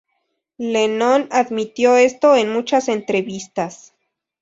Lennon admitió esto en muchas entrevistas.